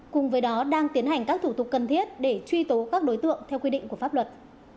cùng với đó đang tiến hành các thủ tục cần thiết để truy tố các đối tượng theo quy định của pháp luật